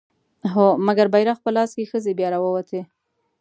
هو! مګر بيرغ په لاس که ښځې بيا راووتې